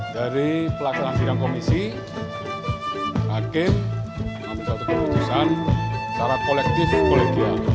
dari pelaksanaan sidang komisi hakim memutuskan keputusan secara kolektif kolektif